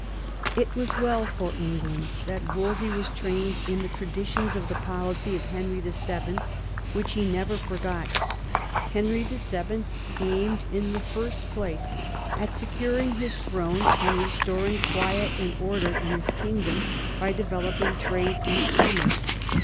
It was well for England that Wolsey was trained in the traditions of the policy of Henry VH., which he never forgot. Henry VII. aimed, in the first place, at securing his throne and restoring quiet and order in his kingdom by developing trade and commerce.